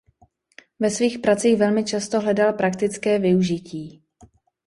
Ve svých pracích velmi často hledal praktické využití.